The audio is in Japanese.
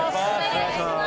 お願いします。